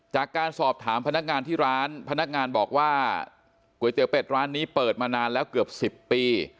จากการสอบถามพนักงานที่ร้านพนักงานบอกว่าก๋วยเตี๋ยวเป็ดร้านนี้เปิดมานานแล้วเกือบ๑๐ปี